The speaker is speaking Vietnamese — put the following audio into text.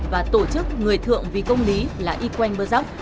và tổ chức người thượng vì công lý là y quanh bơ dốc